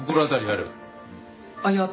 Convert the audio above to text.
あっいや